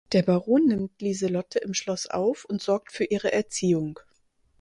Der Baron nimmt Lieselotte im Schloss auf und sorgt für ihre Erziehung.